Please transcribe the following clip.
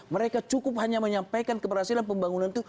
mereka cukup hanya menyampaikan keberhasilan pembangunan itu